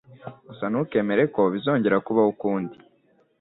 Gusa ntukemere ko bizongera kubaho ukundi.